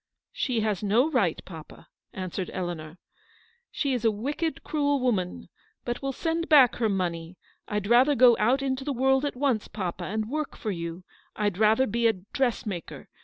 " She has no right, papa," answered Eleanor. " She is a wicked, cruel woman. But we'll send back her money. I'd rather go out into the world at once, papa, and work for you : I'd rather be a dressmaker.